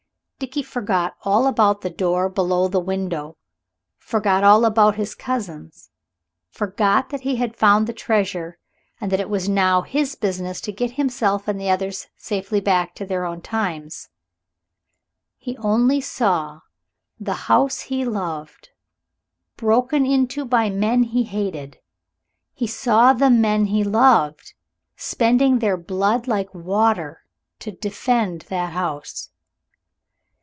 Dickie forgot all about the door below the window, forgot all about his cousins, forgot that he had found the treasure and that it was now his business to get himself and the others safely back to their own times. He only saw the house he loved broken into by men he hated; he saw the men he loved spending their blood like water to defend that house.